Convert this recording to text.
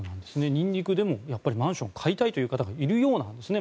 ニンニクでもマンションを買いたいという方がいるようなんですね。